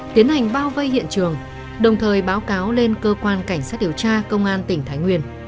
tiến hành bao vây hiện trường đồng thời báo cáo lên cơ quan cảnh sát điều tra công an tỉnh thái nguyên